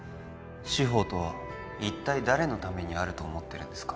司法とは一体誰のためにあると思ってるんですか？